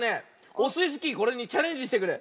オスイスキーこれにチャレンジしてくれ！